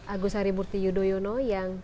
agus harimurti yudhoyono yang